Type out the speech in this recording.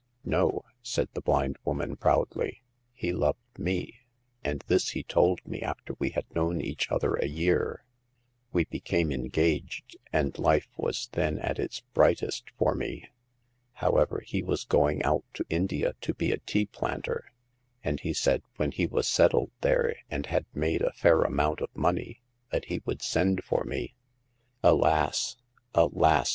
No," said the blind woman, proudly ;" he loved me, and this he told me after we had known each other a year. We became engaged, and life was then at its brightest for me. However, he was going out to India to be a tea planter ; and he said when he was settled there and had made a fair amount of money that he would send for me. Alas ! alas